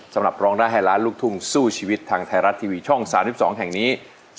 สำหรับรองร้ายไหลารลุคทุงสู้ชีวิตทางไทยรัตน์ทีวีช่อง๓๒แห่งนี้